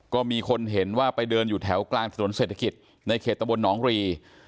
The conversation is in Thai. ก็มีคนเห็นว่าไปเดินอยู่แถวกลางถนนเศรษฐกิจในเขตตะบลหนองรี